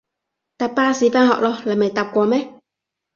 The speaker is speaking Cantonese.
搭巴士返學囉，你未搭過咩？